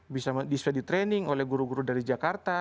bisa di training oleh guru guru dari jakarta